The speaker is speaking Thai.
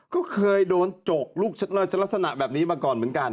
ก็เคยโดนจกลูกเลิศลักษณะแบบนี้มาก่อนเหมือนกัน